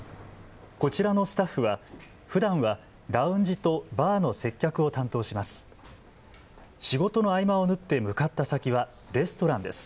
こちらのスタッフはふだんはラウンジとバーの接客を担当します。